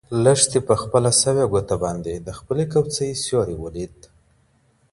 لښتې په خپله سوې ګوته باندې د خپلې کوڅۍ سیوری ولید.